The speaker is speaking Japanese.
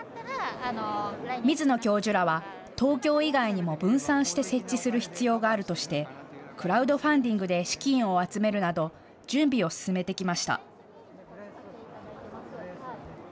水野教授らは東京以外にも分散して設置する必要があるとしてクラウドファンディングで資金を集めるなど準備を進めてきました。